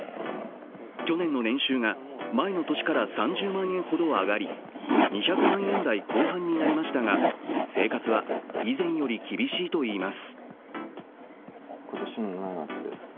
去年の年収が前の年から３０万円ほど上がり２００万円台後半になりましたが生活は以前より厳しいといいます。